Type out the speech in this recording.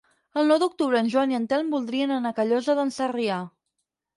El nou d'octubre en Joan i en Telm voldrien anar a Callosa d'en Sarrià.